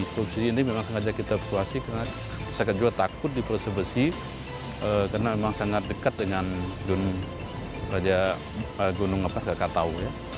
pulau sebesi ini memang sengaja kita situasi karena saya juga takut di pulau sebesi karena memang sangat dekat dengan dunia raja gunung ngepas kakak tahu ya